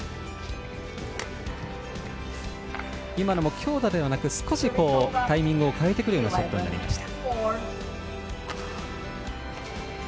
強打ではなく少しタイミングを変えてくるショットになりました。